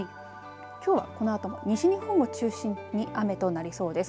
きょうはこのあと西日本を中心に雨となりそうです。